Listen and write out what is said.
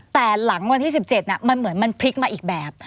แต่หลังวันที่๑๗มันเหมือนมันพลิกมาอีกแบบ